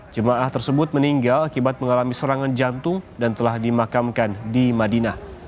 jemaah tersebut meninggal akibat mengalami serangan jantung dan telah dimakamkan di madinah